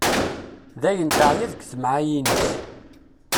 D ayen teɛya deg temɛayin-is.